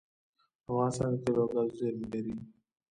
افغانستان د تیلو او ګازو زیرمې لري